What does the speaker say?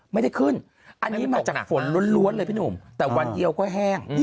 ไม่ได้ขึ้นอันนี้แต่วันเดียวก็แห้ง